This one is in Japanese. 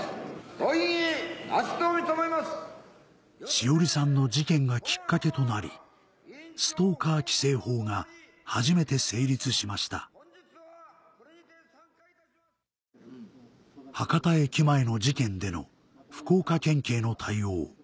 詩織さんの事件がきっかけとなりストーカー規制法が初めて成立しました博多駅前の事件での福岡県警の対応